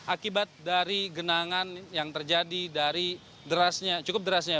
akibat dari genangan yang terjadi dari derasnya cukup derasnya